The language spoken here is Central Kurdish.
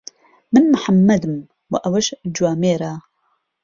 من محەممەدم و ئەوەش جوامێرە.